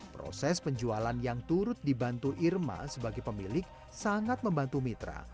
proses penjualan yang turut dibantu irma sebagai pemilik sangat membantu mitra